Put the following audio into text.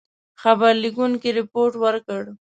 خبر لیکونکي رپوټ ورکړ.